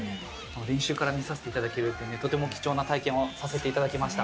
練習から見させていただけるってとても貴重な体験をさせていただきました。